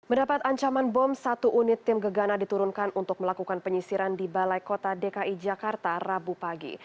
mendapat ancaman bom satu unit tim gegana diturunkan untuk melakukan penyisiran di balai kota dki jakarta rabu pagi